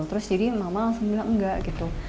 terus jadi mama langsung bilang enggak gitu